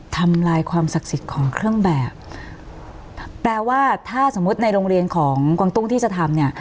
ทำลายความศักดิ์สิทธิ์ของเครื่องแบบแปลว่าถ้าสมมุติในโรงเรียนของกวางตุ้งที่จะทำเนี่ย